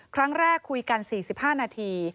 ครั้งแรกคุยกัน๔๕นาที